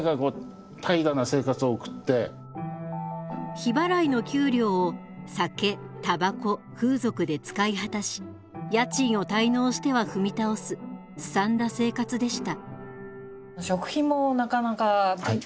日払いの給料を酒タバコ風俗で使い果たし家賃を滞納しては踏み倒すすさんだ生活でした。